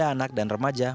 mengalahkan di rumah